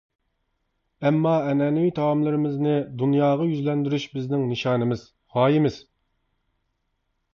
ئەمما ئەنئەنىۋى تائاملىرىمىزنى دۇنياغا يۈزلەندۈرۈش بىزنىڭ نىشانىمىز، غايىمىز.